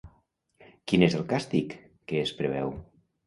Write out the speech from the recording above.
Quin és el càstig que es preveu?